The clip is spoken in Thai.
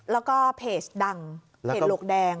แล้วก็เพจดังเพจโหลกแดง